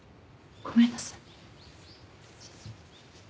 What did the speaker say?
ごめんなさい。